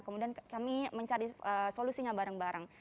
kemudian kami mencari solusinya bareng bareng